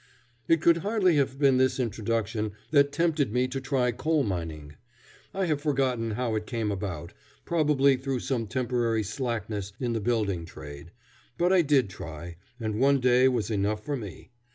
It could hardly have been this introduction that tempted me to try coal mining. I have forgotten how it came about probably through some temporary slackness in the building trade; but I did try, and one day was enough for me.